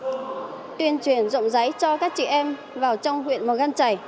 để tôi tuyên truyền rộng giấy cho các chị em vào trong huyện mông căng chảy